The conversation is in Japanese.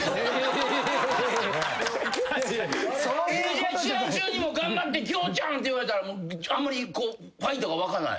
じゃあ試合中にも頑張って恭ちゃんって言われたらあんまりファイトが湧かない？